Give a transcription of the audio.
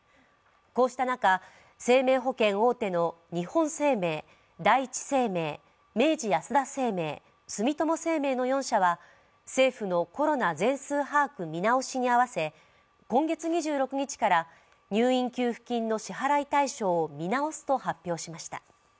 こうした中、生命保険大手の日本生命、第一生命、明治安田生命、住友生命の４社は政府のコロナ全数把握見直しに合わせ今月２６日から入院給付金の支払い対象を見直すと発表しました。